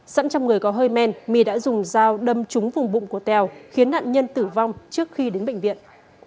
sẵn trong người có hơi men my đã dùng dao đâm trúng vùng bụng của tèo khiến nạn nhân tử vong trước khi đến bệnh viện